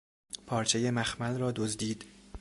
پارچهٔ مخمل را دزدید